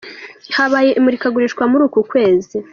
Habaye imurikagurishwa muri uku kwezi.